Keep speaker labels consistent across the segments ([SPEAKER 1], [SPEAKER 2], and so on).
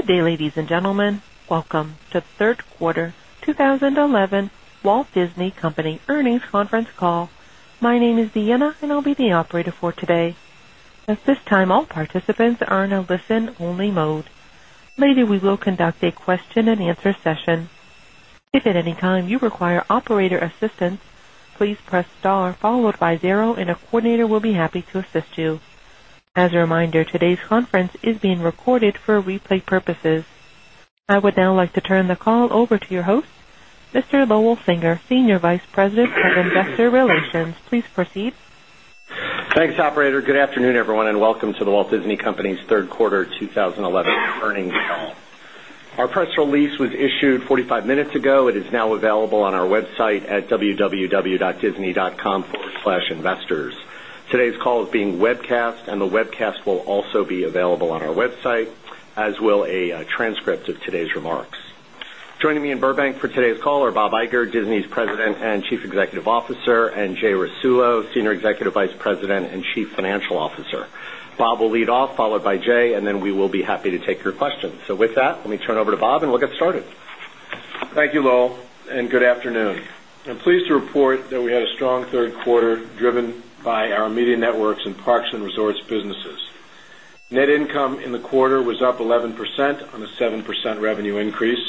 [SPEAKER 1] Good day, ladies and gentlemen. Welcome to the Third Quarter 2011 Walt Disney Company Earnings Conference Call. My name is Deanna, and I'll be the operator for today. At this time, all participants are in a listen-only mode. Later, we will conduct a question and answer session. If at any time you require operator assistance, please press star followed by zero, and a coordinator will be happy to assist you. As a reminder, today's conference is being recorded for replay purposes. I would now like to turn the call over to your host, Mr. Lowell Singer, Senior Vice President of Investor Relations. Please proceed.
[SPEAKER 2] Thanks, operator. Good afternoon, everyone, and welcome to The Walt Disney Company's Third Quarter 2011 Earnings Call. Our press release was issued 45 minutes ago. It is now available on our website at www.disney.com/investors. Today's call is being webcast, and the webcast will also be available on our website, as will a transcript of today's remarks. Joining me in Burbank for today's call are Bob Iger, Disney's President and Chief Executive Officer, and Jay Rasulo, Senior Executive Vice President and Chief Financial Officer. Bob will lead off, followed by Jay, and then we will be happy to take your questions. With that, let me turn over to Bob, and we'll get started.
[SPEAKER 3] Thank you, Lowell, and good afternoon. I'm pleased to report that we had a strong third quarter driven by our media networks and parks and resorts businesses. Net income in the quarter was up 11% on a 7% revenue increase.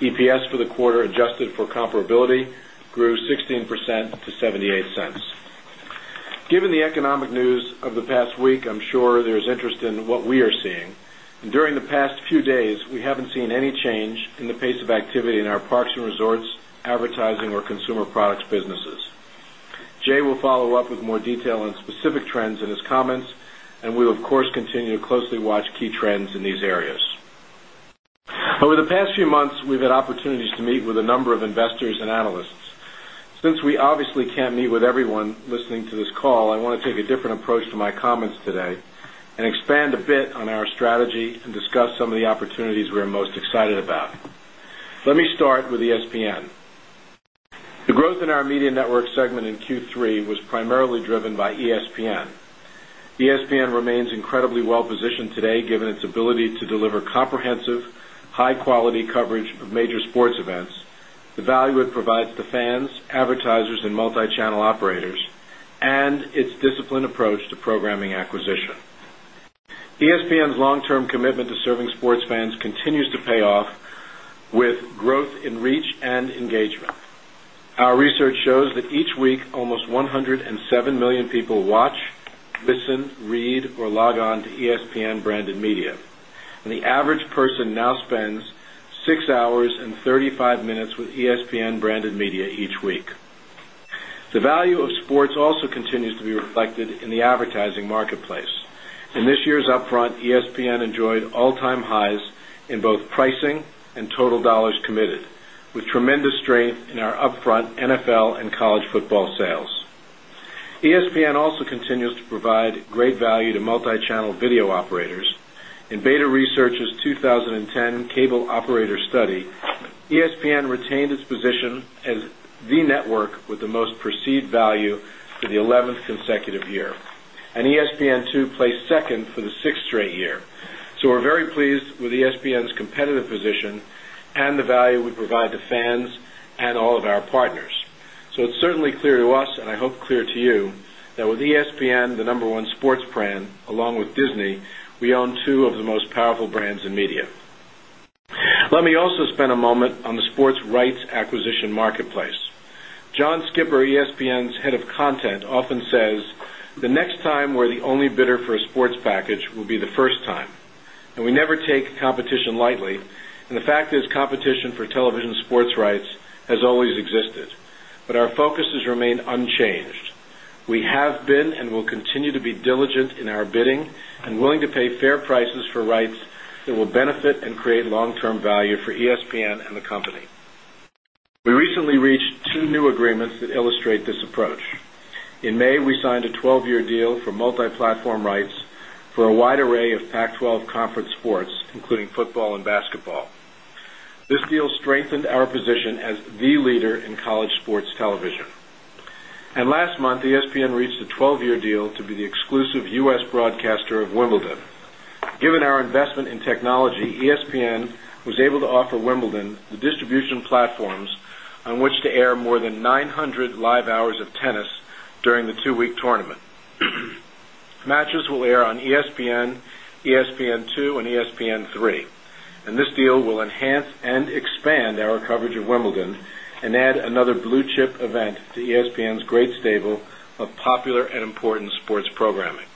[SPEAKER 3] EPS for the quarter, adjusted for comparability, grew 16% to $0.78. Given the economic news of the past week, I'm sure there's interest in what we are seeing. During the past few days, we haven't seen any change in the pace of activity in our parks and resorts, advertising, or consumer products businesses. Jay will follow up with more detail and specific trends in his comments, and we will, of course, continue to closely watch key trends in these areas. Over the past few months, we've had opportunities to meet with a number of investors and analysts. Since we obviously can't meet with everyone listening to this call, I want to take a different approach to my comments today and expand a bit on our strategy and discuss some of the opportunities we're most excited about. Let me start with ESPN. The growth in our media network segment in Q3 was primarily driven by ESPN. ESPN remains incredibly well-positioned today given its ability to deliver comprehensive, high-quality coverage of major sports events, the value it provides to fans, advertisers, and multi-channel operators, and its disciplined approach to programming acquisition. ESPN's long-term commitment to serving sports fans continues to pay off with growth in reach and engagement. Our research shows that each week, almost 107 million people watch, listen, read, or log on to ESPN branded media, and the average person now spends six hours and 35 minutes with ESPN branded media each week. The value of sports also continues to be reflected in the advertising marketplace. In this year's upfront, ESPN enjoyed all-time highs in both pricing and total dollars committed, with tremendous strength in our upfront NFL and college football sales. ESPN also continues to provide great value to multi-channel video operators. In Beta Research's 2010 Cable Operator Study, ESPN retained its position as the network with the most perceived value for the 11th consecutive year, and ESPN2 placed second for the sixth straight year. We are very pleased with ESPN's competitive position and the value we provide to fans and all of our partners. It is certainly clear to us, and I hope clear to you, that with ESPN, the number one sports brand, along with Disney, we own two of the most powerful brands in media. Let me also spend a moment on the sports rights acquisition marketplace. John Skipper, ESPN's Head of Content, often says, "The next time we're the only bidder for a sports package will be the first time." We never take competition lightly, and the fact is competition for television sports rights has always existed, but our focus has remained unchanged. We have been and will continue to be diligent in our bidding and willing to pay fair prices for rights that will benefit and create long-term value for ESPN and the company. We recently reached two new agreements that illustrate this approach. In May, we signed a 12-year deal for multi-platform rights for a wide array of Pac-12 Conference sports, including football and basketball. This deal strengthened our position as the leader in college sports television. Last month, ESPN reached a 12-year deal to be the exclusive U.S. broadcaster of Wimbledon. Given our investment in technology, ESPN was able to offer Wimbledon the distribution platforms on which to air more than 900 live hours of tennis during the two-week tournament. Matches will air on ESPN, ESPN2, and ESPN3, and this deal will enhance and expand our coverage of Wimbledon and add another blue-chip event to ESPN's great stable of popular and important sports programming.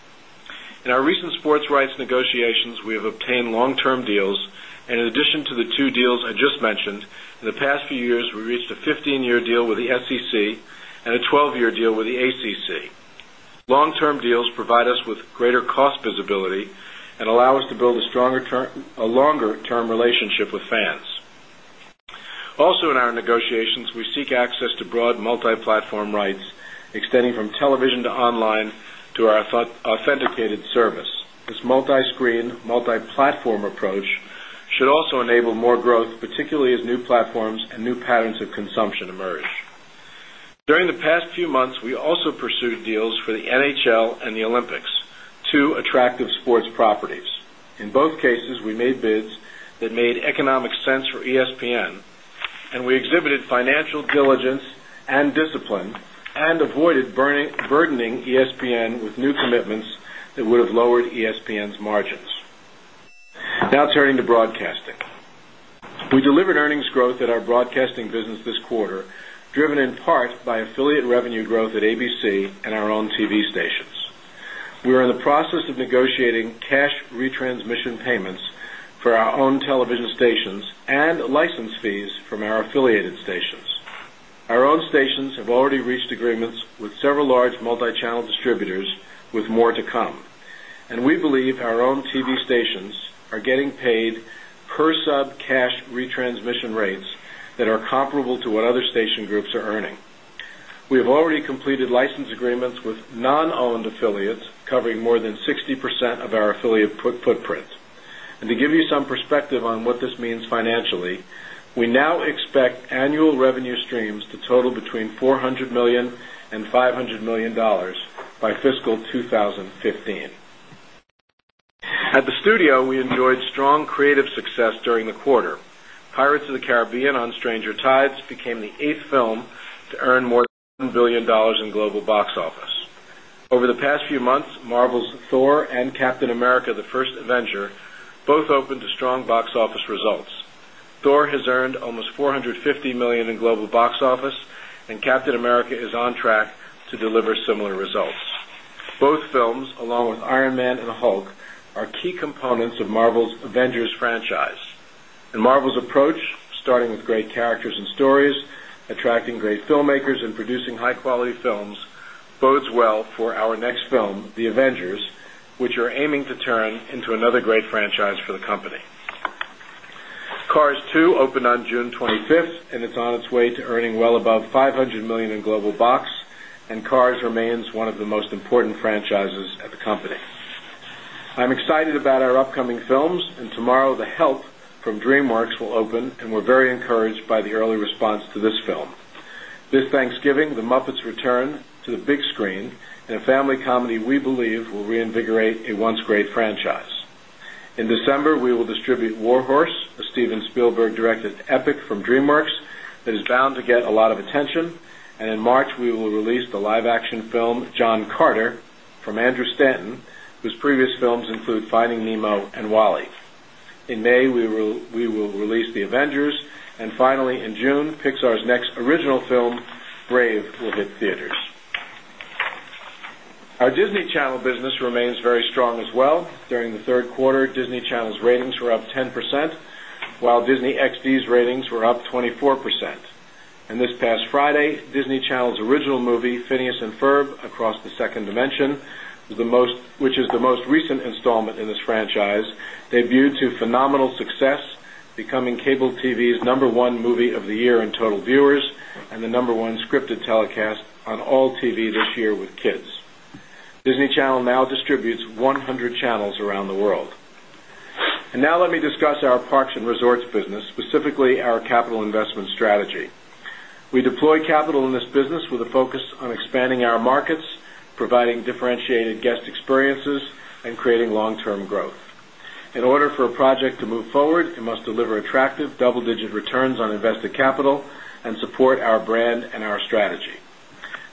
[SPEAKER 3] In our recent sports rights negotiations, we have obtained long-term deals, and in addition to the two deals I just mentioned, in the past few years, we reached a 15-year deal with the SEC and a 12-year deal with the ACC. Long-term deals provide us with greater cost visibility and allow us to build a stronger, longer-term relationship with fans. Also, in our negotiations, we seek access to broad multi-platform rights extending from television to online to our authenticated service. This multi-screen, multi-platform approach should also enable more growth, particularly as new platforms and new patterns of consumption emerge. During the past few months, we also pursued deals for the NHL and the Olympics, two attractive sports properties. In both cases, we made bids that made economic sense for ESPN, and we exhibited financial diligence and discipline and avoided burdening ESPN with new commitments that would have lowered ESPN's margins. Now turning to broadcasting, we delivered earnings growth at our broadcasting business this quarter, driven in part by affiliate revenue growth at ABC and our own TV stations. We are in the process of negotiating cash retransmission payments for our own television stations and license fees from our affiliated stations. Our own stations have already reached agreements with several large multi-channel distributors, with more to come, and we believe our own TV stations are getting paid per sub cash retransmission rates that are comparable to what other station groups are earning. We have already completed license agreements with non-owned affiliates, covering more than 60% of our affiliate footprint. To give you some perspective on what this means financially, we now expect annual revenue streams to total between $400 million and $500 million by fiscal 2015. At the studio, we enjoyed strong creative success during the quarter. Pirates of the Caribbean: On Stranger Tides became the eighth film to earn more than $1 billion in global box office. Over the past few months, Marvel's Thor and Captain America: The First Avenger both opened to strong box office results. Thor has earned almost $450 million in global box office, and Captain America is on track to deliver similar results. Both films, along with Iron Man and Hulk, are key components of Marvel's Avengers franchise. Marvel's approach, starting with great characters and stories, attracting great filmmakers, and producing high-quality films, bodes well for our next film, The Avengers, which we're aiming to turn into another great franchise for the company. Cars 2 opened on June 25th, and it's on its way to earning well above $500 million in global box, and Cars remains one of the most important franchises at the company. I'm excited about our upcoming films, and tomorrow, The Help from DreamWorks will open, and we're very encouraged by the early response to this film. This Thanksgiving, The Muppets return to the big screen, and a family comedy we believe will reinvigorate a once-great franchise. In December, we will distribute War Horse, a Steven Spielberg-directed epic from DreamWorks that is bound to get a lot of attention. In March, we will release the live-action film John Carter from Andrew Stanton, whose previous films include Finding Nemo and Wall-E. In May, we will release The Avengers, and finally, in June, Pixar's next original film, Brave, will hit theaters. Our Disney Channel business remains very strong as well. During the third quarter, Disney Channel's ratings were up 10%, while Disney XD's ratings were up 24%. This past Friday, Disney Channel's original movie, Phineas and Ferb: Across the 2nd Dimension, which is the most recent installment in this franchise, debuted to phenomenal success, becoming cable TV's number one movie of the year in total viewers and the number one scripted telecast on all TV this year with kids. Disney Channel now distributes 100 channels around the world. Let me discuss our parks and resorts business, specifically our capital investment strategy. We deploy capital in this business with a focus on expanding our markets, providing differentiated guest experiences, and creating long-term growth. In order for a project to move forward, it must deliver attractive double-digit returns on invested capital and support our brand and our strategy.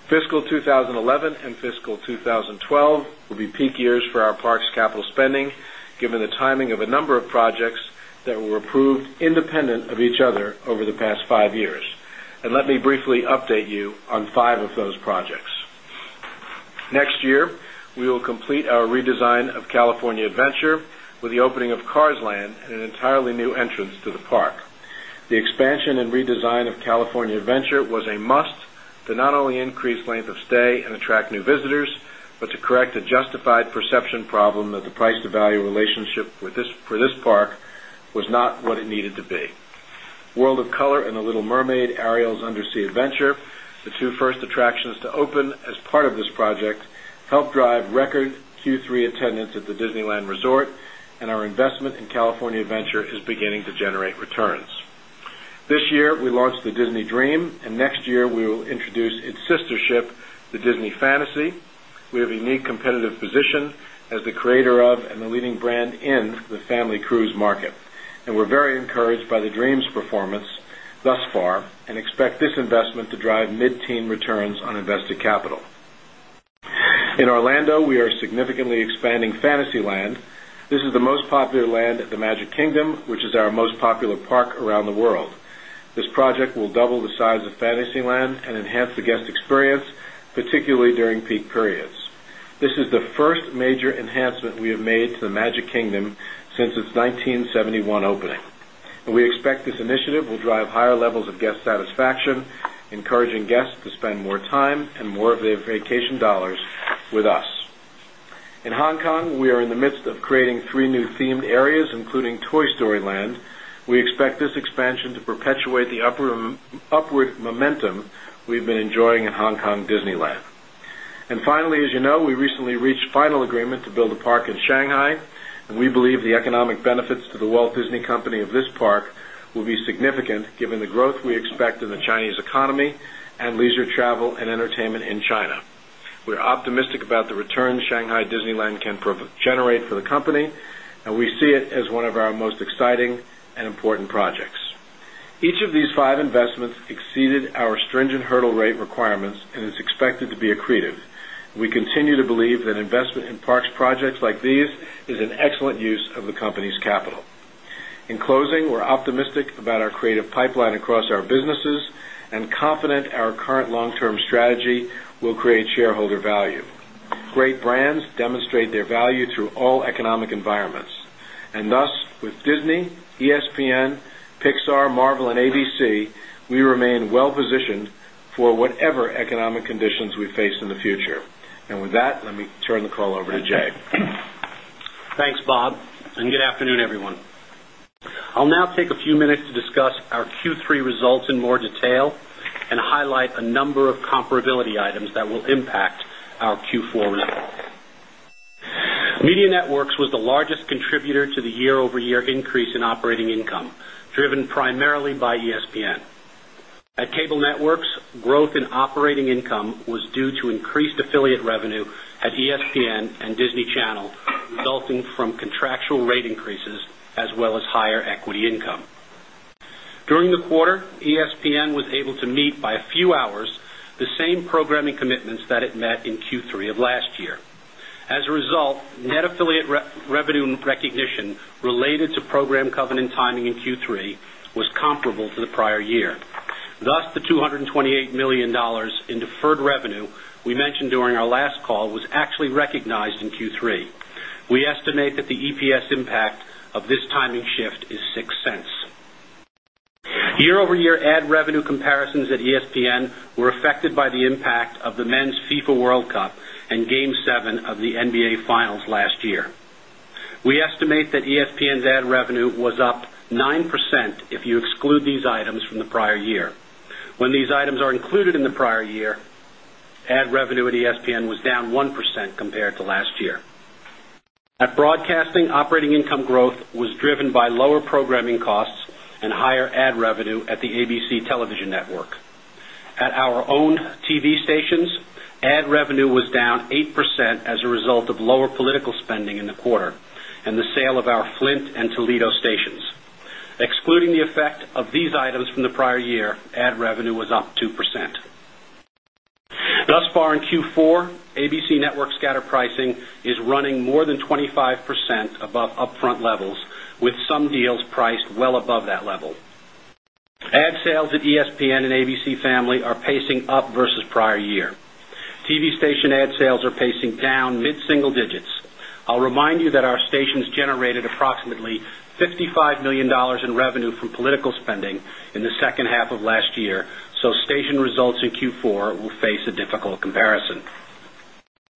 [SPEAKER 3] Fiscal 2011 and fiscal 2012 will be peak years for our parks' capital spending, given the timing of a number of projects that were approved independent of each other over the past five years. Let me briefly update you on five of those projects. Next year, we will complete our redesign of California Adventure with the opening of Cars Land and an entirely new entrance to the park. The expansion and redesign of California Adventure was a must to not only increase length of stay and attract new visitors, but to correct a justified perception problem that the price-to-value relationship for this park was not what it needed to be. World of Color and The Little Mermaid: Ariel's Undersea Adventure, the two first attractions to open as part of this project, helped drive record Q3 attendance at the Disneyland Resort, and our investment in California Adventure is beginning to generate returns. This year, we launched the Disney Dream, and next year, we will introduce its sister ship, the Disney Fantasy. We have a unique competitive position as the creator of and the leading brand in the family cruise market, and we're very encouraged by the Dream's performance thus far and expect this investment to drive mid-teen returns on invested capital. In Orlando, we are significantly expanding Fantasyland. This is the most popular land at the Magic Kingdom, which is our most popular park around the world. This project will double the size of Fantasyland and enhance the guest experience, particularly during peak periods. This is the first major enhancement we have made to the Magic Kingdom since its 1971 opening, and we expect this initiative will drive higher levels of guest satisfaction, encouraging guests to spend more time and more of their vacation dollars with us. In Hong Kong, we are in the midst of creating three new themed areas, including Toy Story Land. We expect this expansion to perpetuate the upward momentum we've been enjoying in Hong Kong Disneyland. Finally, as you know, we recently reached a final agreement to build a park in Shanghai. We believe the economic benefits to The Walt Disney Company of this park will be significant given the growth we expect in the Chinese economy and leisure travel and entertainment in China. We are optimistic about the return Shanghai Disneyland can generate for the company, and we see it as one of our most exciting and important projects. Each of these five investments exceeded our stringent hurdle rate requirements and is expected to be accretive. We continue to believe that investment in parks projects like these is an excellent use of the company's capital. In closing, we're optimistic about our creative pipeline across our businesses and confident our current long-term strategy will create shareholder value. Great brands demonstrate their value through all economic environments. Thus, with Disney, ESPN, Pixar, Marvel, and ABC, we remain well-positioned for whatever economic conditions we face in the future. With that, let me turn the call over to Jay.
[SPEAKER 4] Thanks, Bob, and good afternoon, everyone. I'll now take a few minutes to discuss our Q3 results in more detail and highlight a number of comparability items that will impact our Q4. Media Networks was the largest contributor to the year-over-year increase in operating income, driven primarily by ESPN. At cable networks, growth in operating income was due to increased affiliate revenue at ESPN and Disney Channel, resulting from contractual rate increases as well as higher equity income. During the quarter, ESPN was able to meet by a few hours the same programming commitments that it met in Q3 of last year. As a result, net affiliate revenue recognition related to program covenant timing in Q3 was comparable to the prior year. Thus, the $228 million in deferred revenue we mentioned during our last call was actually recognized in Q3. We estimate that the EPS impact of this timing shift is $0.06. Year-over-year ad revenue comparisons at ESPN were affected by the impact of the men's FIFA World Cup and Game 7 of the NBA Finals last year. We estimate that ESPN's ad revenue was up 9% if you exclude these items from the prior year. When these items are included in the prior year, ad revenue at ESPN was down 1% compared to last year. At broadcasting, operating income growth was driven by lower programming costs and higher ad revenue at the ABC Television Network. At our own TV stations, ad revenue was down 8% as a result of lower political spending in the quarter and the sale of our Flint and Toledo stations. Excluding the effect of these items from the prior year, ad revenue was up 2%. Thus far in Q4, ABC Network's scatter pricing is running more than 25% above upfront levels, with some deals priced well above that level. Ad sales at ESPN and ABC Family are pacing up versus prior year. TV station ad sales are pacing down mid-single digits. I'll remind you that our stations generated approximately $55 million in revenue from political spending in the second half of last year, so station results in Q4 will face a difficult comparison.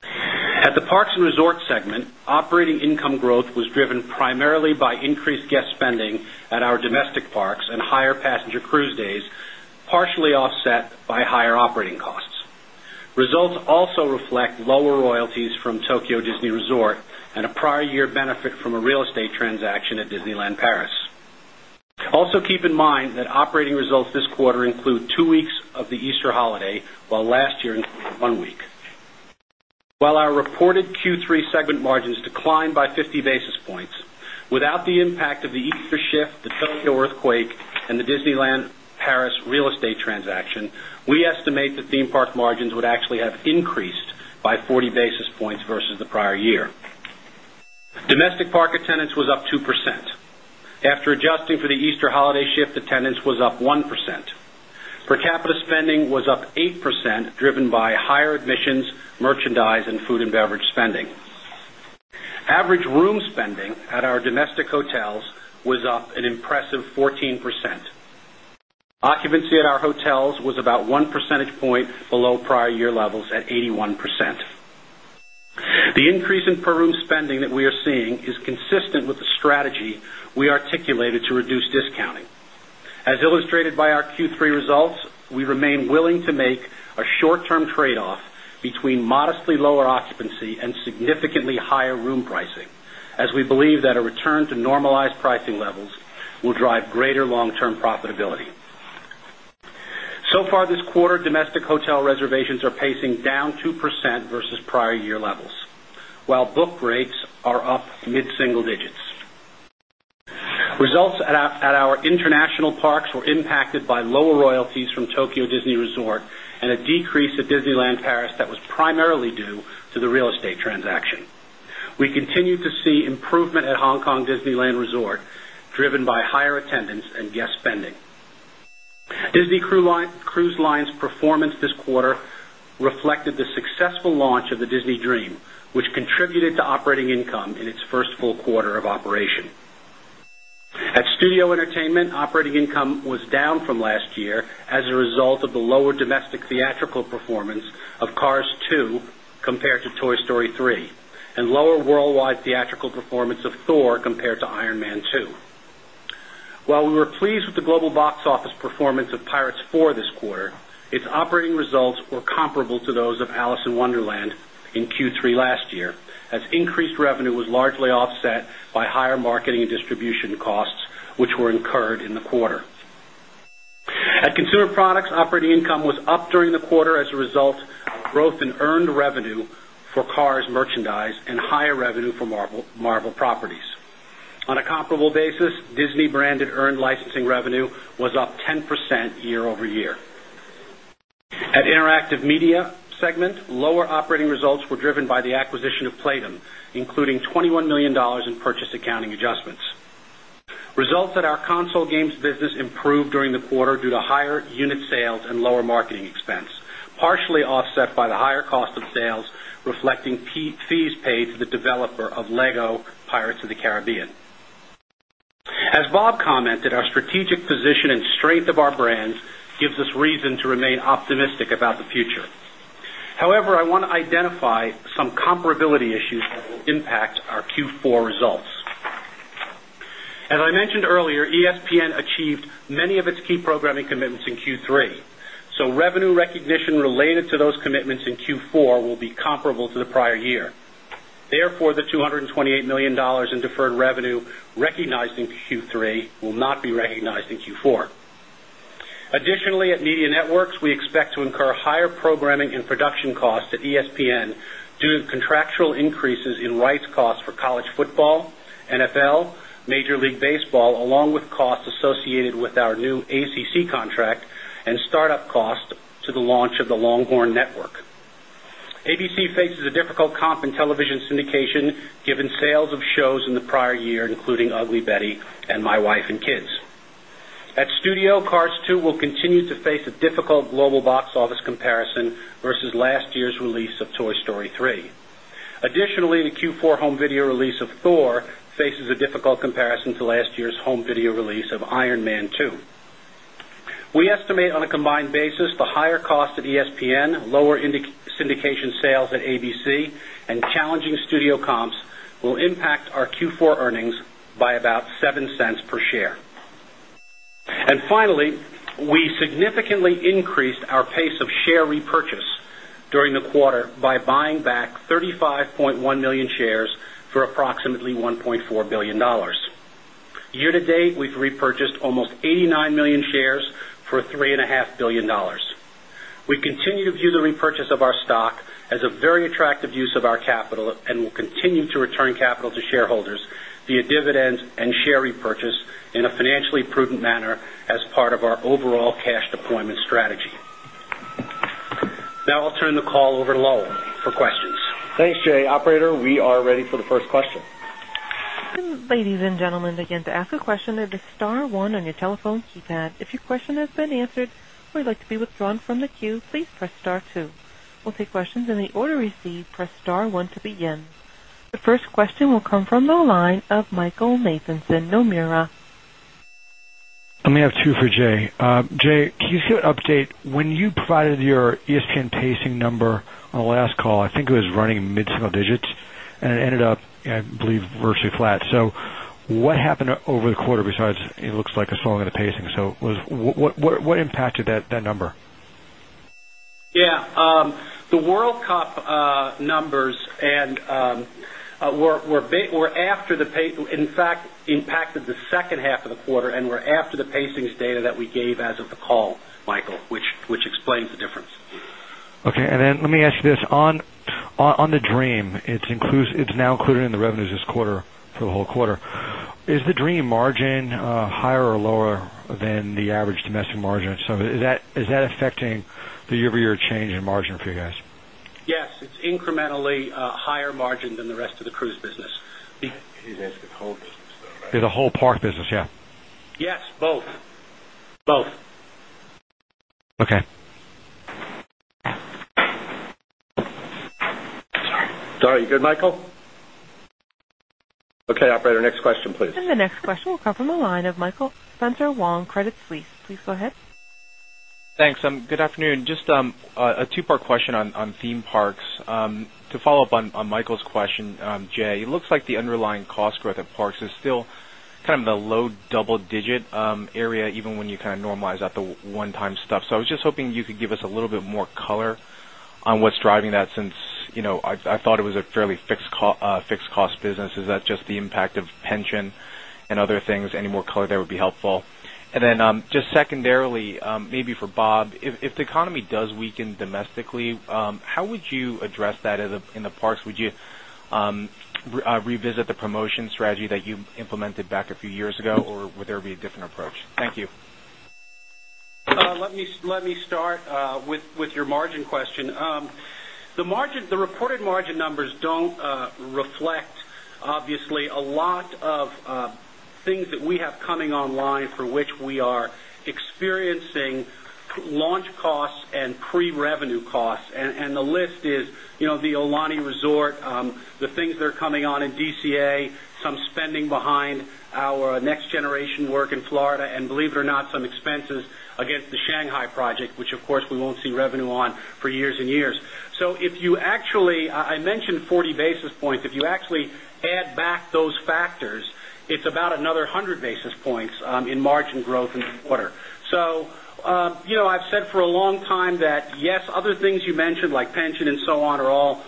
[SPEAKER 4] At the parks and resorts segment, operating income growth was driven primarily by increased guest spending at our domestic parks and higher passenger cruise days, partially offset by higher operating costs. Results also reflect lower royalties from Tokyo Disney Resort and a prior year benefit from a real estate transaction at Disneyland Paris. Also, keep in mind that operating results this quarter include two weeks of the Easter holiday, while last year included one week. While our reported Q3 segment margins declined by 50 basis points, without the impact of the Easter shift, the Tokyo earthquake, and the Disneyland Paris real estate transaction, we estimate that theme park margins would actually have increased by 40 basis points versus the prior year. Domestic park attendance was up 2%. After adjusting for the Easter holiday shift, attendance was up 1%. Per capita spending was up 8%, driven by higher admissions, merchandise, and food and beverage spending. Average room spending at our domestic hotels was up an impressive 14%. Occupancy at our hotels was about 1 percentage point below prior year levels at 81%. The increase in per room spending that we are seeing is consistent with the strategy we articulated to reduce discounting. As illustrated by our Q3 results, we remain willing to make a short-term trade-off between modestly lower occupancy and significantly higher room pricing, as we believe that a return to normalized pricing levels will drive greater long-term profitability. So far this quarter, domestic hotel reservations are pacing down 2% versus prior year levels, while book rates are up mid-single digits. Results at our international parks were impacted by lower royalties from Tokyo Disney Resort and a decrease at Disneyland Paris that was primarily due to the real estate transaction. We continue to see improvement at Hong Kong Disneyland Resort, driven by higher attendance and guest spending. Disney Cruise Line's performance this quarter reflected the successful launch of the Disney Dream, which contributed to operating income in its first full quarter of operation. At Studio Entertainment, operating income was down from last year as a result of the lower domestic theatrical performance of Cars 2 compared to Toy Story 3 and lower worldwide theatrical performance of Thor compared to Iron Man 2. While we were pleased with the global box office performance of Pirates for this quarter, its operating results were comparable to those of Alice in Wonderland in Q3 last year, as increased revenue was largely offset by higher marketing and distribution costs, which were incurred in the quarter. At consumer products, operating income was up during the quarter as a result of growth in earned revenue for Cars merchandise and higher revenue for Marvel properties. On a comparable basis, Disney branded earned licensing revenue was up 10% year-over-year. At the interactive media segment, lower operating results were driven by the acquisition of Playdom, including $21 million in purchase accounting adjustments. Results at our console games business improved during the quarter due to higher unit sales and lower marketing expense, partially offset by the higher cost of sales, reflecting fees paid to the developer of LEGO Pirates of the Caribbean. As Bob commented, our strategic position and strength of our brand gives us reason to remain optimistic about the future. However, I want to identify some comparability issues that impact our Q4 results. As I mentioned earlier, ESPN achieved many of its key programming commitments in Q3, so revenue recognition related to those commitments in Q4 will be comparable to the prior year. Therefore, the $228 million in deferred revenue recognized in Q3 will not be recognized in Q4. Additionally, at media networks, we expect to incur higher programming and production costs at ESPN due to contractual increases in rights costs for college football, NFL, Major League Baseball, along with costs associated with our new ACC contract and startup costs to the launch of the Longhorn Network. ABC faces a difficult comp in television syndication given sales of shows in the prior year, including Ugly Betty and My Wife and Kids. At Studio, Cars 2 will continue to face a difficult global box office comparison versus last year's release of Toy Story 3. Additionally, the Q4 home video release of Thor faces a difficult comparison to last year's home video release of Iron Man 2. We estimate on a combined basis the higher cost at ESPN, lower syndication sales at ABC, and challenging studio comps will impact our Q4 earnings by about $0.07 per share. Finally, we significantly increased our pace of share repurchase during the quarter by buying back 35.1 million shares for approximately $1.4 billion. Year-to-date, we've repurchased almost 89 million shares for $3.5 billion. We continue to view the repurchase of our stock as a very attractive use of our capital and will continue to return capital to shareholders via dividends and share repurchase in a financially prudent manner as part of our overall cash deployment strategy. Now I'll turn the call over to Lowell for questions.
[SPEAKER 2] Thanks, Jay. Operator, we are ready for the first question.
[SPEAKER 1] Ladies and gentlemen, again, to ask a question, there is a star one on your telephone keypad. If your question has been answered or you would like to be withdrawn from the queue, please press star two. We'll take questions in the order we see. Press star one to begin. The first question will come from the line of Michael Nathanson, Nomura.
[SPEAKER 5] Let me have two for Jay. Jay, you should update. When you provided your ESPN pacing number on the last call, I think it was running mid-single digits, and it ended up, I believe, virtually flat. What happened over the quarter besides it looks like a stronger pacing? What impacted that number?
[SPEAKER 4] Yeah, the World Cup numbers were after the, in fact, impacted the second half of the quarter and were after the pacings data that we gave as of the call, Michael, which explains the difference.
[SPEAKER 5] Okay, let me ask you this. On the Dream, it's now included in the revenues this quarter for the whole quarter. Is the Dream margin higher or lower than the average domestic margin? Is that affecting the year-over-year change in margin for you guys?
[SPEAKER 4] Yes, it's incrementally a higher margin than the rest of the cruise business.
[SPEAKER 3] He's asking the whole business, though, right?
[SPEAKER 5] The whole park business, yeah.
[SPEAKER 4] Yes, both. Both.
[SPEAKER 5] Okay.
[SPEAKER 2] Sorry, you good, Michael? Okay, operator, next question, please.
[SPEAKER 1] The next question will come from the line of Michael Spencer Wong, Credit Suisse. Please go ahead.
[SPEAKER 6] Thanks. Good afternoon. Just a two-part question on theme parks. To follow up on Michael's question, Jay, it looks like the underlying cost growth at parks is still kind of in the low double-digit area, even when you kind of normalize that to one-time stuff. I was just hoping you could give us a little bit more color on what's driving that since, you know, I thought it was a fairly fixed cost business. Is that just the impact of pension and other things? Any more color there would be helpful. Then just secondarily, maybe for Bob, if the economy does weaken domestically, how would you address that in the parks? Would you revisit the promotion strategy that you implemented back a few years ago, or would there be a different approach? Thank you.
[SPEAKER 4] Let me start with your margin question. The reported margin numbers do not reflect, obviously, a lot of things that we have coming online for which we are experiencing launch costs and pre-revenue costs. The list is, you know, the Aulani Resort, the things that are coming on in DCA, some spending behind our next generation work in Florida, and, believe it or not, some expenses against the Shanghai project, which, of course, we won't see revenue on for years and years. So, if you actually, I mentioned 40 basis points, if you actually add back those factors, it's about another 100 basis points in margin growth in the quarter. I've said for a long time that, yes, other things that you mentioned like pensions so on and all,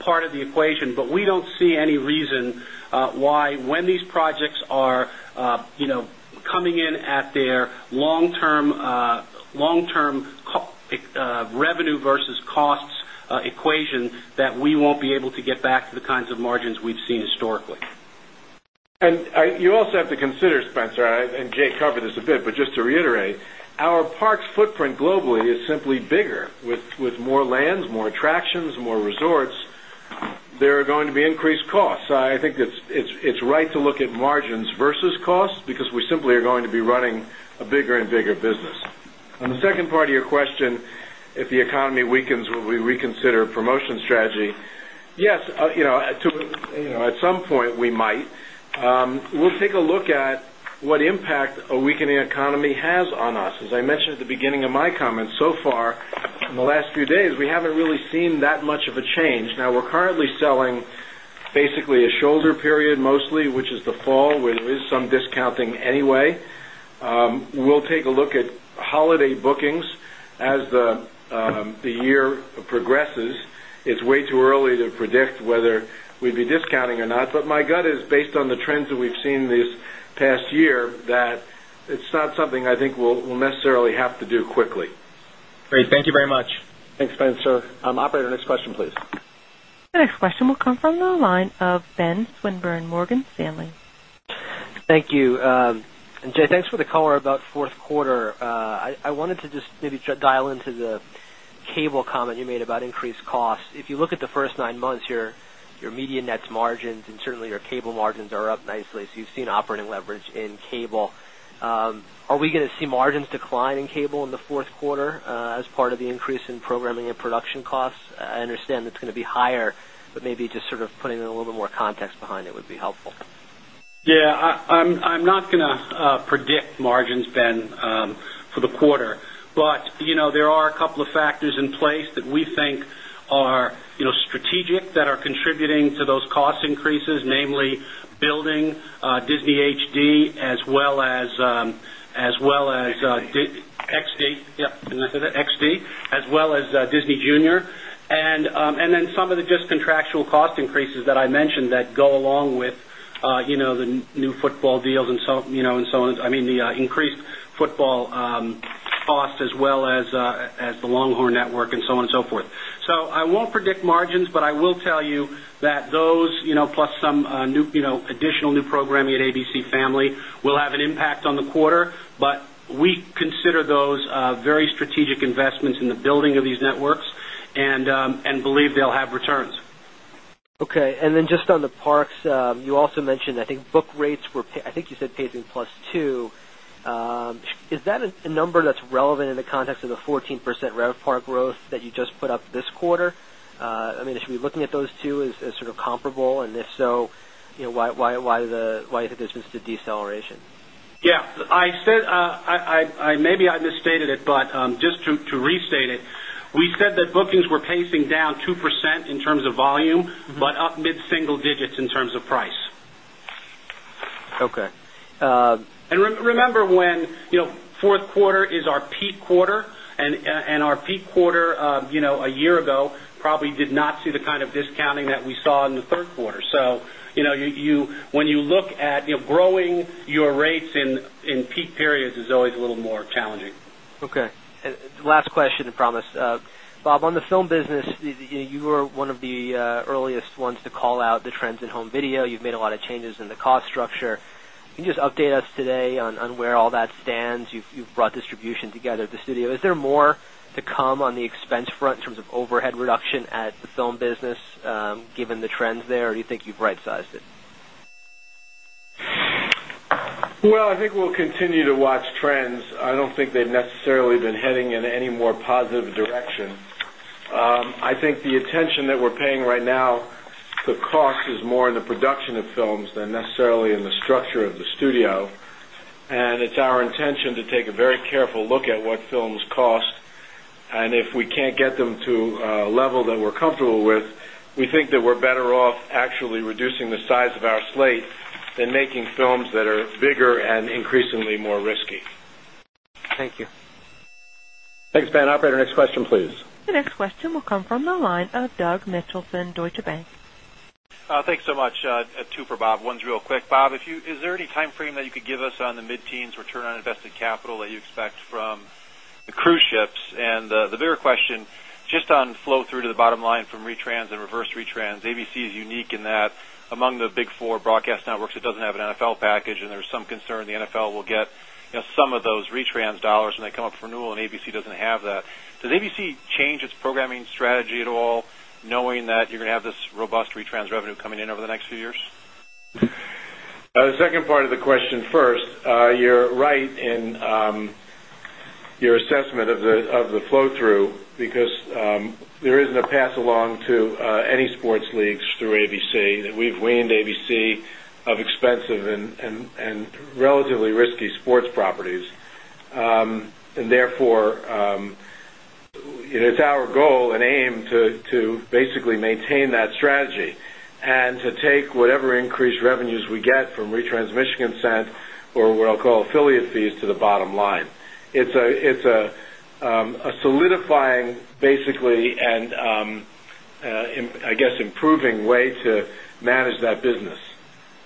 [SPEAKER 4] part of the equation, but we don't see any reason why when these projects are coming in at their long term revenue versus cost equation, that we won't be able to get back to the kinds of margins we've seen historically.
[SPEAKER 3] You also have to consider, Spencer, and Jay covered this a bit, but just to reiterate, our park's footprint globally is simply bigger. With more lands, more attractions, more resorts, there are going to be increased costs. I think it's right to look at margins versus costs because we simply are going to be running a bigger and bigger business. On the second part of your question, if the economy weakens, will we reconsider a promotion strategy? Yes, at some point we might. We'll take a look at what impact a weakening economy has on us. As I mentioned at the beginning of my comments, so far in the last few days, we haven't really seen that much of a change. We're currently selling basically a shoulder period mostly, which is the fall, where there is some discounting anyway. We'll take a look at holiday bookings as the year progresses. It's way too early to predict whether we'd be discounting or not, but my gut is, based on the trends that we've seen this past year, that it's not something I think we'll necessarily have to do quickly.
[SPEAKER 6] Great, thank you very much.
[SPEAKER 2] Thanks, Spencer. Operator, next question, please.
[SPEAKER 1] The next question will come from the line of Ben Swinburne, Morgan Stanley.
[SPEAKER 7] Thank you. Jay, thanks for the call about fourth quarter. I wanted to just maybe dial into the cable comment you made about increased costs. If you look at the first nine months here, your media net margins and certainly your cable margins are up nicely. You have seen operating leverage in cable. Are we going to see margins decline in cable in the fourth quarter as part of the increase in programming and production costs? I understand that's going to be higher, but maybe just sort of putting a little bit more context behind it would be helpful.
[SPEAKER 4] Yeah, I'm not going to predict margins, Ben, for the quarter, but there are a couple of factors in place that we think are strategic that are contributing to those cost increases, namely building Disney HD as well as Disney XD, as well as Disney Junior. Then some of the just contractual cost increases that I mentioned that go along with the new football deals and so on. I mean, the increased football costs as well as the Longhorn Network and so on and so forth. I won't predict margins, but I will tell you that those, plus some additional new programming at ABC Family, will have an impact on the quarter, but we consider those very strategic investments in the building of these networks and believe they'll have returns.
[SPEAKER 7] Okay, and then just on the parks, you also mentioned I think book rates were, I think you said pacing plus two. Is that a number that's relevant in the context of the 14% rail park growth that you just put up this quarter? I mean, should we be looking at those two as sort of comparable, and if so, you know, why is it there's been such a deceleration?
[SPEAKER 4] I maybe misstated it, but just to restate it, we said that bookings were pacing down 2% in terms of volume, but up mid-single digits in terms of price.
[SPEAKER 7] Okay.
[SPEAKER 4] Remember when fourth quarter is our peak quarter, and our peak quarter a year ago probably did not see the kind of discounting that we saw in the third quarter. When you look at growing your rates in peak periods, it is always a little more challenging.
[SPEAKER 7] Okay, and last question, I promise. Bob, on the film business, you were one of the earliest ones to call out the trends in home video. You've made a lot of changes in the cost structure. Can you just update us today on where all that stands? You've brought distribution together at the studio. Is there more to come on the expense front in terms of overhead reduction at the film business given the trends there, or do you think you've right-sized it?
[SPEAKER 3] I think we'll continue to watch trends. I don't think they've necessarily been heading in any more positive direction. I think the attention that we're paying right now to costs is more in the production of films than necessarily in the structure of the studio, and it's our intention to take a very careful look at what films cost. If we can't get them to a level that we're comfortable with, we think that we're better off actually reducing the size of our slate than making films that are bigger and increasingly more risky.
[SPEAKER 7] Thank you.
[SPEAKER 2] Thanks, Ben. Operator, next question, please.
[SPEAKER 1] The next question will come from the line of Doug Mitchelson, Deutsche Bank.
[SPEAKER 8] Thanks so much. Two for Bob. One's real quick. Bob, is there any timeframe that you could give us on the mid-teens return on invested capital that you expect from the cruise ships? The bigger question, just on flow through to the bottom line from retrans and reverse retrans. ABC is unique in that among the big four broadcast networks, it doesn't have an NFL package, and there's some concern the NFL will get, you know, some of those retrans dollars when they come up for renewal, and ABC doesn't have that. Does ABC change its programming strategy at all, knowing that you're going to have this robust retrans revenue coming in over the next few years?
[SPEAKER 3] The second part of the question first. You're right in your assessment of the flow-through because there isn't a pass-along to any sports leagues through ABC. We've weaned ABC of expensive and relatively risky sports properties, and therefore, it's our goal and aim to basically maintain that strategy and to take whatever increased revenues we get from retransmission consent or what I'll call affiliate fees to the bottom line. It's a solidifying, basically, and I guess improving way to manage that business.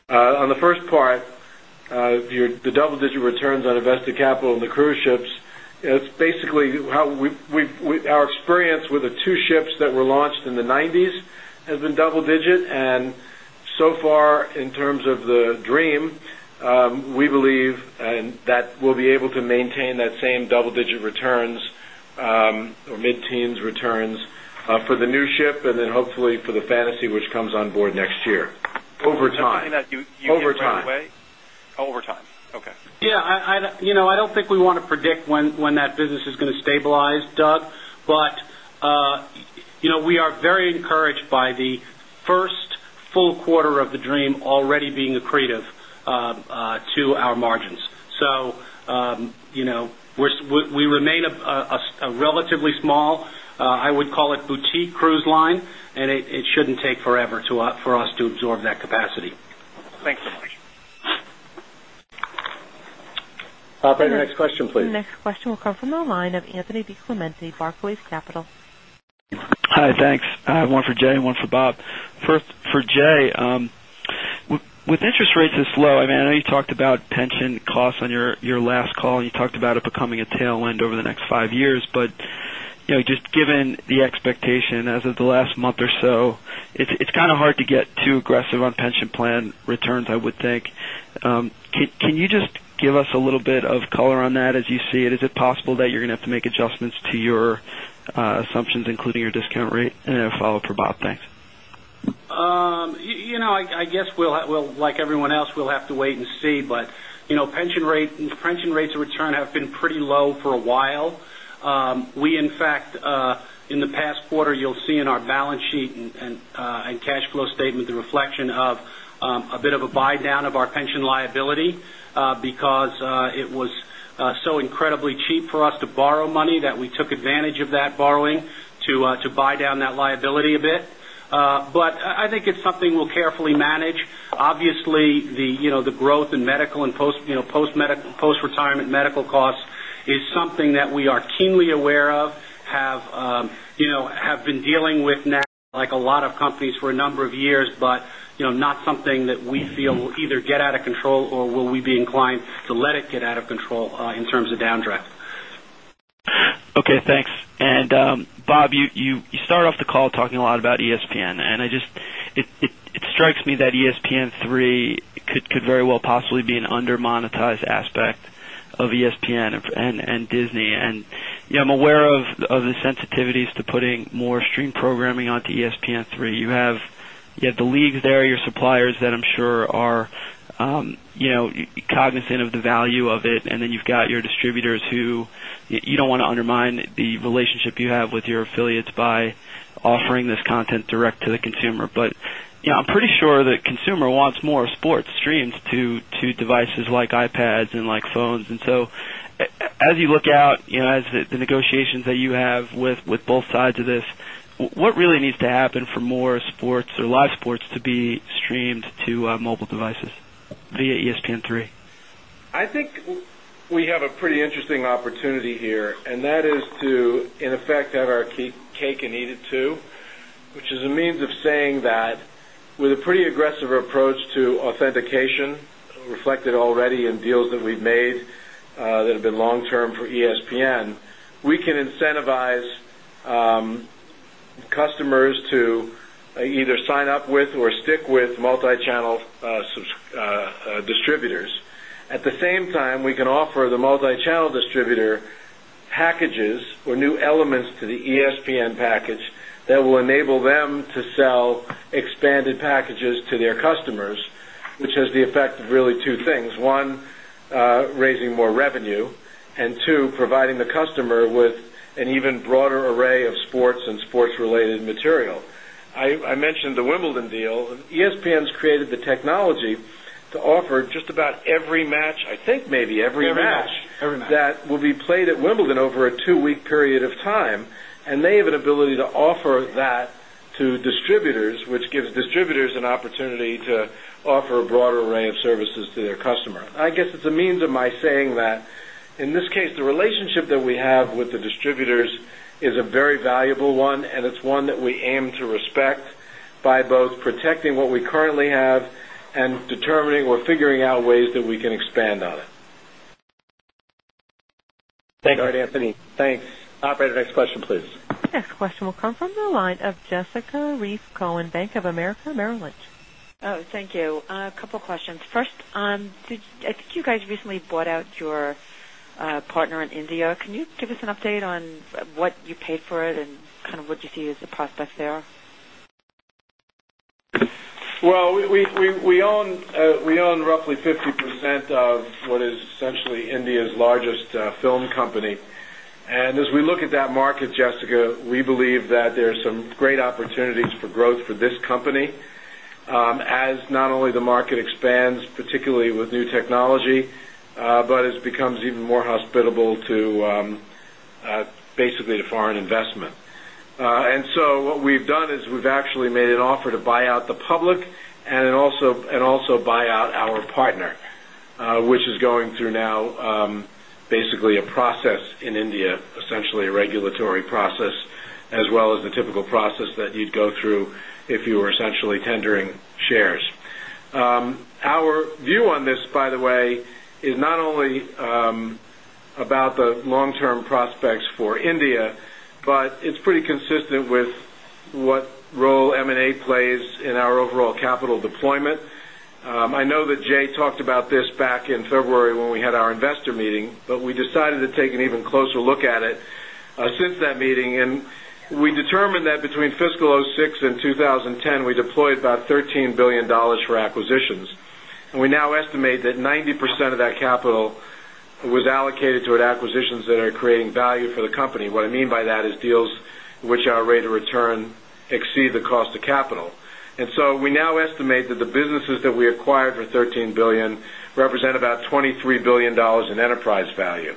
[SPEAKER 3] On the first part, the double-digit returns on invested capital in the cruise ships, it's basically how we've, our experience with the two ships that were launched in the 1990s has been double-digit, and so far in terms of the Dream, we believe that we'll be able to maintain that same double-digit returns or mid-teens returns for the new ship and then hopefully for the Fantasy, which comes on board next year. Over time.
[SPEAKER 8] You mean that you think that way? Over time. Okay.
[SPEAKER 4] Yeah. I don't think we want to predict when that business is going to stabilize, Doug, but we are very encouraged by the first full quarter of the Dream already being accretive to our margins. We remain a relatively small, I would call it boutique cruise line, and it shouldn't take forever for us to absorb that capacity.
[SPEAKER 8] Thanks so much.
[SPEAKER 2] Operator, next question, please.
[SPEAKER 1] Next question will come from the line of Anthony DiClemente, Barclays Capital.
[SPEAKER 9] Hi, thanks. I have one for Jay and one for Bob. First for Jay, with interest rates this low, I mean, I know you talked about pension costs on your last call, and you talked about it becoming a tailwind over the next five years, but just given the expectation as of the last month or so, it's kind of hard to get too aggressive on pension plan returns, I would think. Can you just give us a little bit of color on that as you see it? Is it possible that you're going to have to make adjustments to your assumptions, including your discount rate? A follow-up for Bob, thanks.
[SPEAKER 4] I guess we'll, like everyone else, have to wait and see, but pension rates of return have been pretty low for a while. In fact, in the past quarter, you'll see in our balance sheet and cash flow statement the reflection of a bit of a buy-down of our pension liability because it was so incredibly cheap for us to borrow money that we took advantage of that borrowing to buy down that liability a bit. I think it's something we'll carefully manage. Obviously, the growth in medical and post-retirement medical costs is something that we are keenly aware of, have been dealing with now, like a lot of companies, for a number of years, but not something that we feel will either get out of control or will we be inclined to let it get out of control in terms of downdraft.
[SPEAKER 9] Okay, thanks. Bob, you started off the call talking a lot about ESPN, and it strikes me that ESPN3 could very well possibly be an undermonetized aspect of ESPN and Disney. I'm aware of the sensitivities to putting more stream programming onto ESPN3. You have the leagues there, your suppliers that I'm sure are cognizant of the value of it, and you've got your distributors who you don't want to undermine the relationship you have with your affiliates by offering this content direct to the consumer. I'm pretty sure the consumer wants more sports streamed to devices like iPads and phones. As you look out, as the negotiations that you have with both sides of this, what really needs to happen for more sports or live sports to be streamed to mobile devices via ESPN3?
[SPEAKER 3] I think we have a pretty interesting opportunity here, and that is to, in effect, have our cake and eat it too, which is a means of saying that with a pretty aggressive approach to authentication reflected already in deals that we've made that have been long-term for ESPN, we can incentivize customers to either sign up with or stick with multi-channel distributors. At the same time, we can offer the multi-channel distributor packages or new elements to the ESPN package that will enable them to sell expanded packages to their customers, which has the effect of really two things: one, raising more revenue, and two, providing the customer with an even broader array of sports and sports-related material. I mentioned the Wimbledon deal, and ESPN's created the technology to offer just about every match, I think maybe every match, that will be played at Wimbledon over a two-week period of time, and they have an ability to offer that to distributors, which gives distributors an opportunity to offer a broader array of services to their customer. I guess it's a means of my saying that in this case, the relationship that we have with the distributors is a very valuable one, and it's one that we aim to respect by both protecting what we currently have and determining or figuring out ways that we can expand on it.
[SPEAKER 9] Thanks.
[SPEAKER 2] Operator, next question, please.
[SPEAKER 1] Next question will come from the line of Jessica Reif Cohen, Bank of America Meryll Lynch.
[SPEAKER 10] Oh. Thank you. A couple of questions. First, I think you guys recently bought out your partner in India. Can you give us an update on what you paid for it and kind of what you see as the prospects there?
[SPEAKER 3] We own roughly 50% of what is essentially India's largest film company. As we look at that market, Jessica, we believe that there are some great opportunities for growth for this company, as not only the market expands, particularly with new technology, it becomes even more hospitable to basically the foreign investment. What we've done is we've actually made an offer to buy out the public and also buy out our partner, which is going through now basically a process in India, essentially a regulatory process, as well as the typical process that you'd go through if you were essentially tendering shares. Our view on this, by the way, is not only about the long-term prospects for India, but it's pretty consistent with what role M&A plays in our overall capital deployment. I know that Jay talked about this back in February when we had our investor meeting, we decided to take an even closer look at it since that meeting, and we determined that between fiscal 2006 and 2010, we deployed about $13 billion for acquisitions. We now estimate that 90% of that capital was allocated toward acquisitions that are creating value for the company. What I mean by that is deals which are rate of return exceed the cost of capital. We now estimate that the businesses that we acquired for $13 billion represent about $23 billion in enterprise value.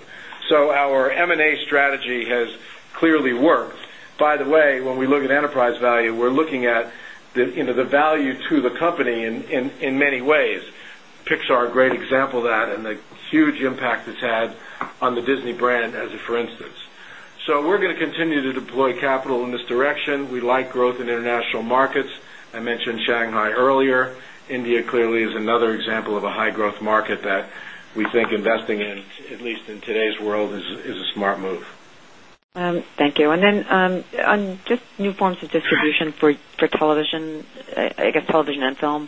[SPEAKER 3] Our M&A strategy has clearly worked. By the way, when we look at enterprise value, we're looking at the value to the company in many ways. Pixar is a great example of that and the huge impact it's had on the Disney brand as a for instance. We're going to continue to deploy capital in this direction. We like growth in international markets. I mentioned Shanghai earlier. India clearly is another example of a high-growth market that we think investing in, at least in today's world, is a smart move.
[SPEAKER 10] Thank you. On just new forms of distribution for television, I guess television and film,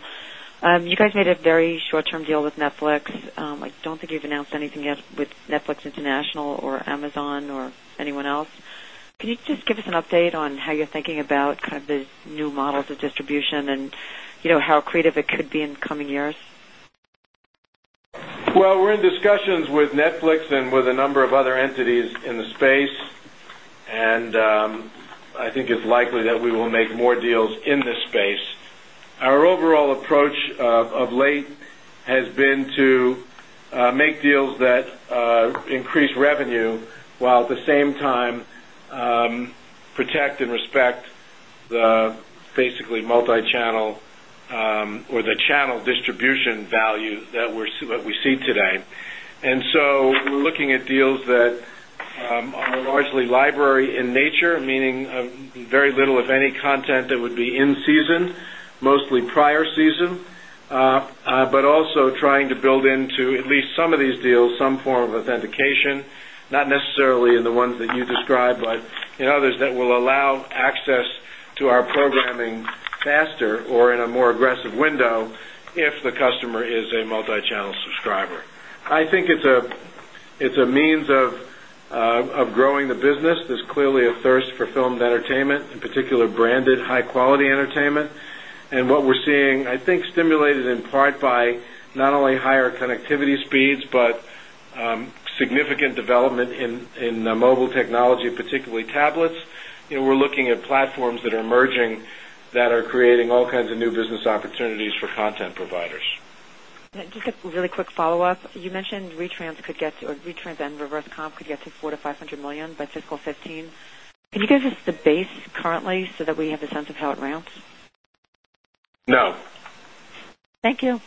[SPEAKER 10] you guys made a very short-term deal with Netflix. I don't think you've announced anything yet with Netflix International or Amazon or anyone else. Can you just give us an update on how you're thinking about kind of these new models of distribution and how creative it could be in the coming years?
[SPEAKER 3] We are in discussions with Netflix and with a number of other entities in the space, and I think it's likely that we will make more deals in this space. Our overall approach of late has been to make deals that increase revenue while at the same time protect and respect the basically multi-channel or the channel distribution value that we see today. We are looking at deals that are largely library in nature, meaning very little, if any, content that would be in season, mostly prior season, but also trying to build into at least some of these deals some form of authentication, not necessarily in the ones that you described, but in others that will allow access to our programming faster or in a more aggressive window if the customer is a multi-channel subscriber. I think it's a means of growing the business. There's clearly a thirst for filmed entertainment, in particular branded high-quality entertainment. What we're seeing, I think, is stimulated in part by not only higher connectivity speeds, but significant development in mobile technology, particularly tablets. We are looking at platforms that are emerging that are creating all kinds of new business opportunities for content providers.
[SPEAKER 10] Just a really quick follow-up. You mentioned retrans and reverse compensation could get to $400 million-$500 million by fiscal 2015. Can you give us the base currently so that we have a sense of how it rounds?
[SPEAKER 3] No.
[SPEAKER 10] Thank you.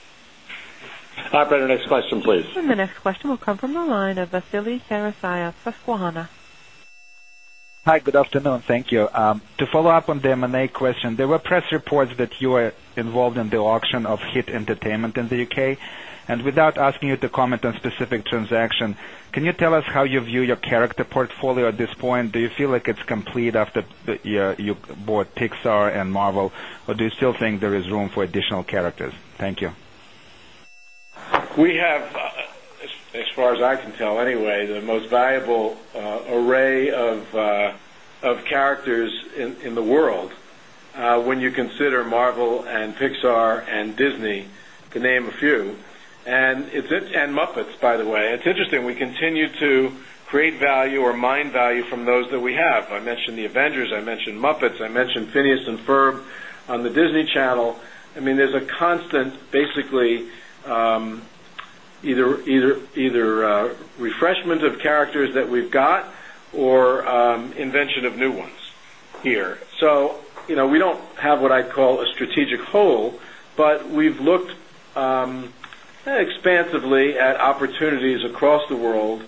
[SPEAKER 2] Operator, next question, please.
[SPEAKER 1] The next question will come from the line of Vasily [Sarasaya], Susquehanna.
[SPEAKER 11] Hi, good afternoon. Thank you. To follow up on the M&A question, there were press reports that you were involved in the auction of HIT Entertainment in the U.K. Without asking you to comment on a specific transaction, can you tell us how you view your character portfolio at this point? Do you feel like it's complete after you bought Pixar and Marvel, or do you still think there is room for additional characters? Thank you.
[SPEAKER 3] We have, as far as I can tell anyway, the most valuable array of characters in the world when you consider Marvel and Pixar and Disney, to name a few. It's Muppets, by the way. It's interesting. We continue to create value or mine value from those that we have. I mentioned the Avengers. I mentioned Muppets. I mentioned Phineas and Ferb on the Disney Channel. I mean, there's a constant, basically, either refreshment of characters that we've got or invention of new ones here. You know, we don't have what I'd call a strategic hole, but we've looked expansively at opportunities across the world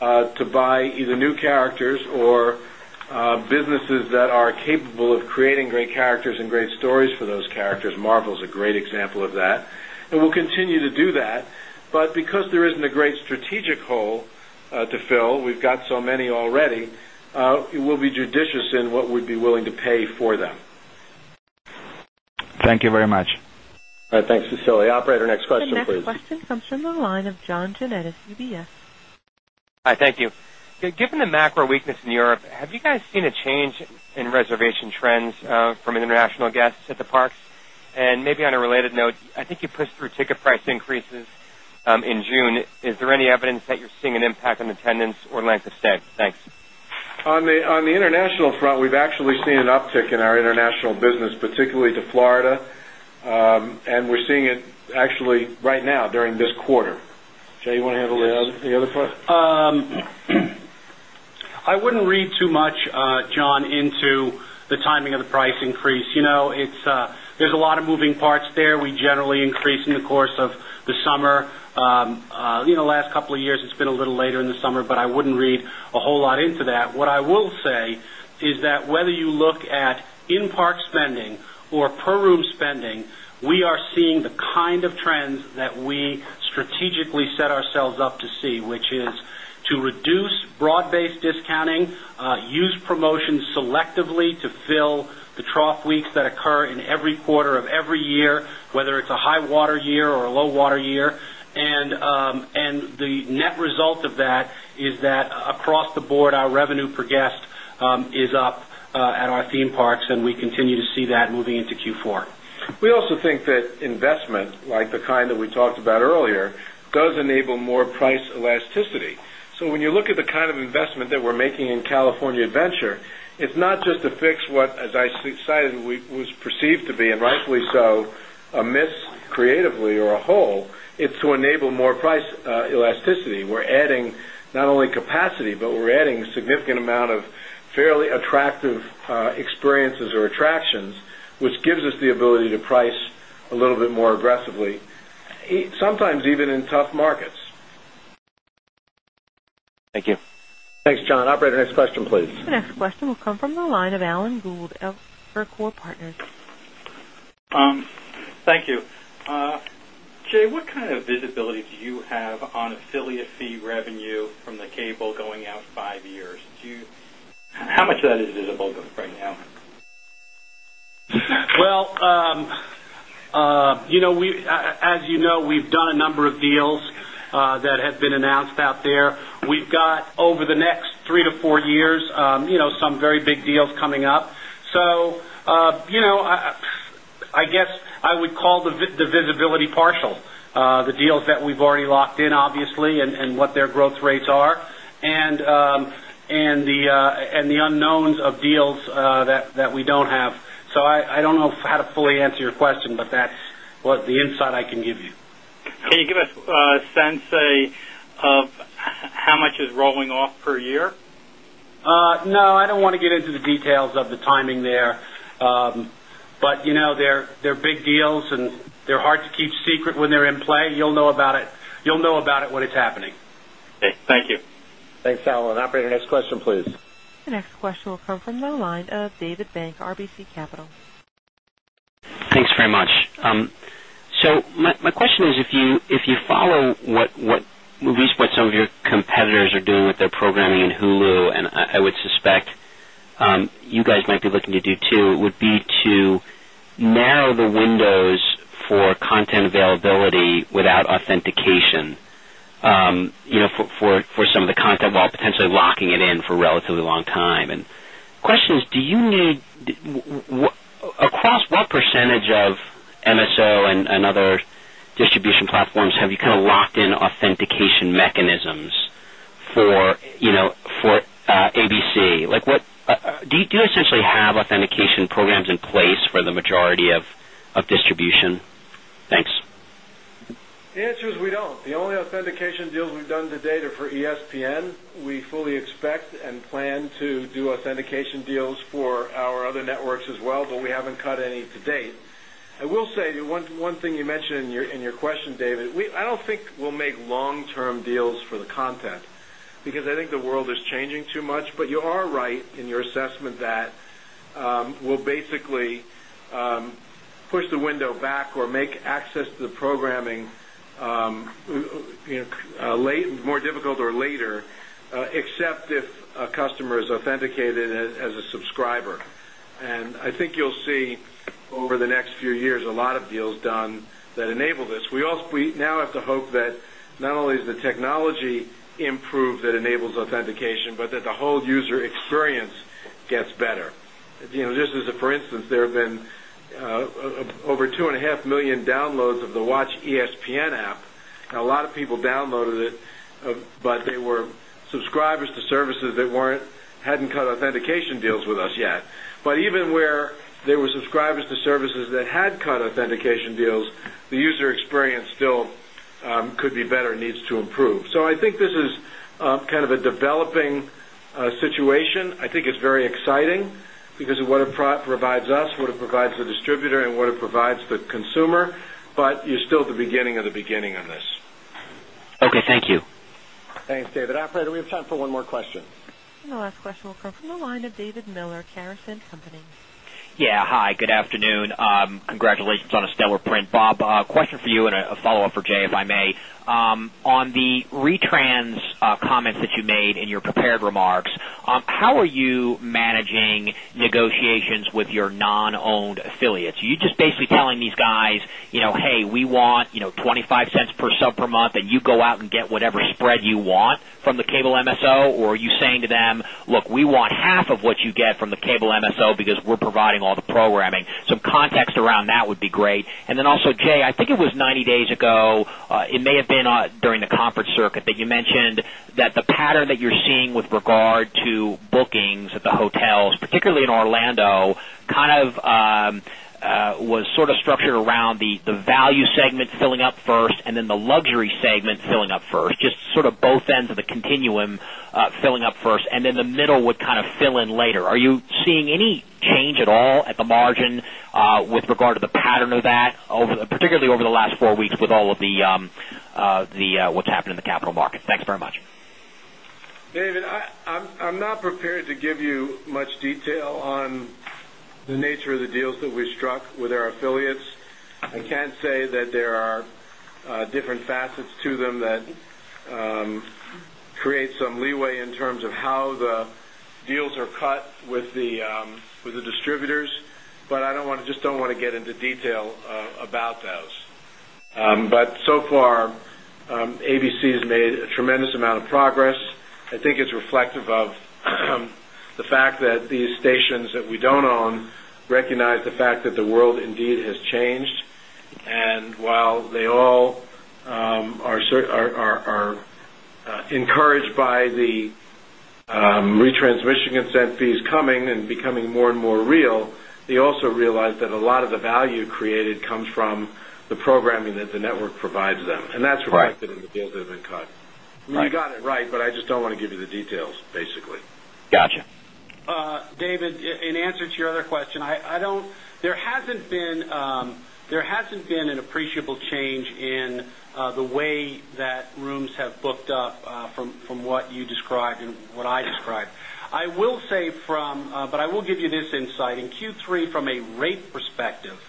[SPEAKER 3] to buy either new characters or businesses that are capable of creating great characters and great stories for those characters. Marvel's a great example of that. We'll continue to do that. Because there isn't a great strategic hole to fill, we've got so many already, we'll be judicious in what we'd be willing to pay for them.
[SPEAKER 11] Thank you very much.
[SPEAKER 2] All right, thanks, Vasily. Operator, next question, please.
[SPEAKER 1] The next question comes from the line of John Janedis, UBS.
[SPEAKER 12] Hi, thank you. Given the macro weakness in Europe, have you guys seen a change in reservation trends from international guests at the parks? On a related note, I think you pushed through ticket price increases in June. Is there any evidence that you're seeing an impact on attendance or length of stay? Thanks.
[SPEAKER 3] On the international front, we've actually seen an uptick in our international business, particularly to Florida, and we're seeing it actually right now during this quarter. Jay, you want to handle the other part?
[SPEAKER 4] I wouldn't read too much, John, into the timing of the price increase. There's a lot of moving parts there. We generally increase in the course of the summer. The last couple of years, it's been a little later in the summer, but I wouldn't read a whole lot into that. What I will say is that whether you look at in-park spending or per room spending, we are seeing the kind of trends that we strategically set ourselves up to see, which is to reduce broad-based discounting, use promotions selectively to fill the trough weeks that occur in every quarter of every year, whether it's a high-water year or a low-water year. The net result of that is that across the board, our revenue per guest is up at our theme parks, and we continue to see that moving into Q4.
[SPEAKER 3] We also think that investment, like the kind that we talked about earlier, does enable more price elasticity. When you look at the kind of investment that we're making in California Adventure, it's not just to fix what, as I cited, was perceived to be, and rightfully so, a miss creatively or a hole. It's to enable more price elasticity. We're adding not only capacity, but we're adding a significant amount of fairly attractive experiences or attractions, which gives us the ability to price a little bit more aggressively, sometimes even in tough markets.
[SPEAKER 12] Thank you.
[SPEAKER 2] Thanks, John. Operator, next question, please.
[SPEAKER 1] The next question will come from the line of Alan Gould, Evercore Partners.
[SPEAKER 13] Thank you. Jay, what kind of visibility do you have on affiliate fee revenue from the cable going out five years? How much of that is visible right now?
[SPEAKER 4] As you know, we've done a number of deals that have been announced out there. We've got, over the next three to four years, some very big deals coming up. I guess I would call the visibility partial. The deals that we've already locked in, obviously, and what their growth rates are, and the unknowns of deals that we don't have. I don't know how to fully answer your question, but that's the insight I can give you.
[SPEAKER 13] Can you give us a sense of how much is rolling off per year?
[SPEAKER 4] No, I don't want to get into the details of the timing there. You know, they're big deals, and they're hard to keep secret when they're in play. You'll know about it when it's happening.
[SPEAKER 13] Okay, thank you.
[SPEAKER 2] Thanks, Alan. Operator, next question, please.
[SPEAKER 1] The next question will come from the line of David Bank, RBC Capital.
[SPEAKER 14] Thanks very much. My question is, if you follow what movie sports some of your competitors are doing with their programming in Hulu, I would suspect you guys might be looking to do too, would be to narrow the windows for content availability without authentication for some of the content while potentially locking it in for a relatively long time. The question is, do you need across what percentage of MSO and other distribution platforms have you kind of locked in authentication mechanisms for ABC? Do you essentially have authentication programs in place for the majority of distribution? Thanks.
[SPEAKER 3] The answer is we don't. The only authentication deals we've done to date are for ESPN. We fully expect and plan to do authentication deals for our other networks as well, but we haven't cut any to date. I will say one thing you mentioned in your question, David, I don't think we'll make long-term deals for the content because I think the world is changing too much. You are right in your assessment that we'll basically push the window back or make access to the programming more difficult or later, except if a customer is authenticated as a subscriber. I think you'll see over the next few years a lot of deals done that enable this. We also now have to hope that not only is the technology improved that enables authentication, but that the whole user experience gets better. Just as a for instance, there have been over 2.5 million downloads of the Watch ESPN app. A lot of people downloaded it, but they were subscribers to services that hadn't cut authentication deals with us yet. Even where there were subscribers to services that had cut authentication deals, the user experience still could be better and needs to improve. I think this is kind of a developing situation. I think it's very exciting because of what it provides us, what it provides the distributor, and what it provides the consumer. You're still at the beginning of the beginning on this.
[SPEAKER 14] Okay, thank you.
[SPEAKER 2] Thanks, David. Operator, we have time for one more question.
[SPEAKER 1] The last question will come from the line of David Miller, Caris & Company.
[SPEAKER 15] Yeah, hi, good afternoon. Congratulations on a stellar print, Bob. Question for you and a follow-up for Jay, if I may. On the retrans comments that you made in your prepared remarks, how are you managing negotiations with your non-owned affiliates? Are you just basically telling these guys, you know, hey, we want $0.25 per sub per month, and you go out and get whatever spread you want from the cable MSO? Are you saying to them, look, we want half of what you get from the cable MSO because we're providing all the programming? Some context around that would be great. Also, Jay, I think it was 90 days ago, it may have been during the conference circuit that you mentioned that the pattern that you're seeing with regard to bookings at the hotels, particularly in Orlando, kind of was sort of structured around the value segment filling up first and then the luxury segment filling up first, just sort of both ends of the continuum filling up first, and then the middle would kind of fill in later. Are you seeing any change at all at the margin with regard to the pattern of that, particularly over the last four weeks with all of the what's happened in the capital markets? Thanks very much.
[SPEAKER 3] David, I'm not prepared to give you much detail on the nature of the deals that we struck with our affiliates. I can say that there are different facets to them that create some leeway in terms of how the deals are cut with the distributors, but I just don't want to get into detail about those. ABC has made a tremendous amount of progress. I think it's reflective of the fact that these stations that we don't own recognize the fact that the world indeed has changed. While they all are encouraged by the retransmission consent fees coming and becoming more and more real, they also realize that a lot of the value created comes from the programming that the network provides them. That's reflected in the deals that have been cut. You got it right, but I just don't want to give you the details, basically.
[SPEAKER 15] Gotcha.
[SPEAKER 4] David, in answer to your other question, there hasn't been an appreciable change in the way that rooms have booked up from what you described and what I described. I will say, but I will give you this insight, in Q3, from a rate perspective,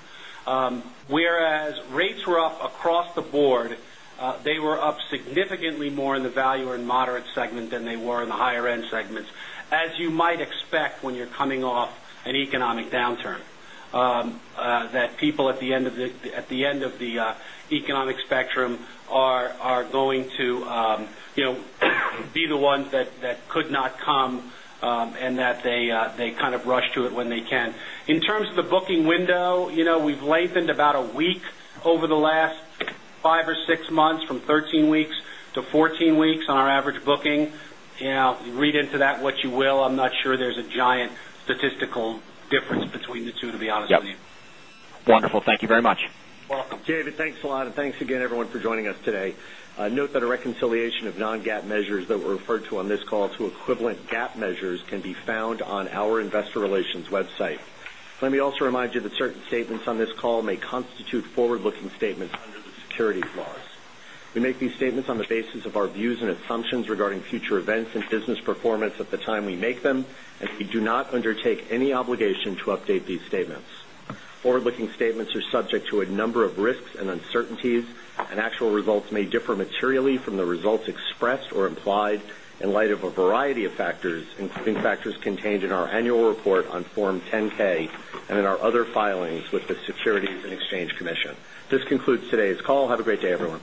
[SPEAKER 4] whereas rates were up across the board, they were up significantly more in the value and moderate segment than they were in the higher-end segments, as you might expect when you're coming off an economic downturn, that people at the end of the economic spectrum are going to be the ones that could not come and that they kind of rush to it when they can. In terms of the booking window, we've lengthened about a week over the last five or six months from 13 weeks-14 weeks on our average booking. You know, you read into that what you will. I'm not sure there's a giant statistical difference between the two, to be honest with you.
[SPEAKER 15] Wonderful. Thank you very much.
[SPEAKER 4] Welcome.
[SPEAKER 2] David, thanks a lot, and thanks again, everyone, for joining us today. Note that a reconciliation of non-GAAP measures that were referred to on this call to equivalent GAAP measures can be found on our investor relations website. Let me also remind you that certain statements on this call may constitute forward-looking statements under the security clause. We make these statements on the basis of our views and assumptions regarding future events and business performance at the time we make them, as we do not undertake any obligation to update these statements. Forward-looking statements are subject to a number of risks and uncertainties, and actual results may differ materially from the results expressed or implied in light of a variety of factors, including factors contained in our annual report on Form 10-K and in our other filings with the Securities and Exchange Commission. This concludes today's call. Have a great day, everyone.